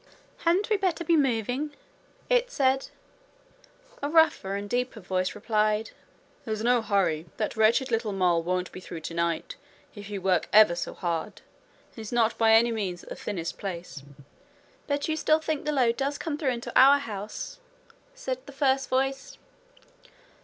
'Hadn't we better be moving?'it said. A rougher and deeper voice replied: 'There's no hurry. That wretched little mole won't be through tonight, if he work ever so hard. He's not by any means at the thinnest place.' 'But you still think the lode does come through into our house?' said the first voice.